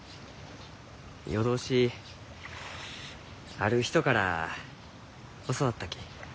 夜通しある人から教わったき。